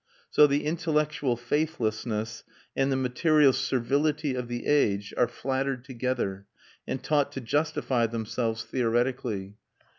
So the intellectual faithlessness and the material servility of the age are flattered together and taught to justify themselves theoretically.